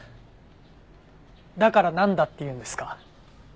だからなんだって言うんですか？